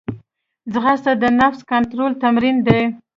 ځغاسته د نفس کنټرول تمرین دی